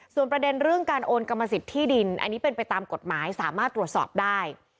ส่วนประเด็นเรื่องการโอนกรรมสิทธิ์ที่ดินอันนี้เป็นไปตามกฎหมายสามารถตรวจสอบได้